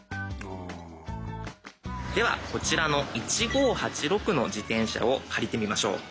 ではこちらの「１５８６」の自転車を借りてみましょう。